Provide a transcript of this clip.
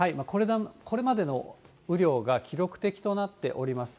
これまでの雨量が記録的となっております。